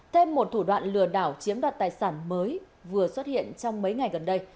thêm một thủ đoạn lừa đảo chiếm đoạt tài sản mới vừa xuất hiện trong mấy ngày gần đây